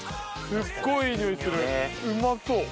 すっごいいい匂いするうまそう。